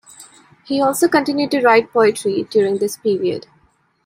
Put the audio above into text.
He also continued to write poetry during this period.